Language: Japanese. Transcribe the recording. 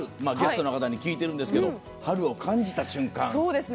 ゲストの方に聞いているんですけど春を感じた瞬間。